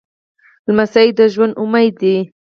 لمسی د ژوند امید دی.